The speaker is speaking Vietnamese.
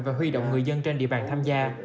và huy động người dân trên địa bàn tham gia